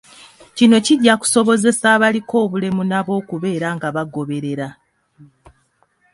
Kino kijja kusobozesa abaliko obulemu nabo okubeera nga bagoberera.